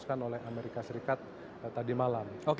amerika serikat tadi malam